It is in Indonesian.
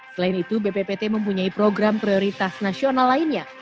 selain itu bppt mempunyai program prioritas nasional lainnya